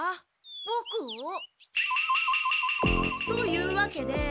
ボクを？というわけで。